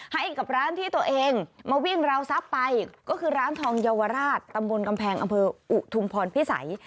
ให้กับร้านที่ตัวเองมาวิ่งราวทรัพย์ไปก็คือร้านทองเยาวราชตำบลกำแพงอำเภออุทุมพรพิสัย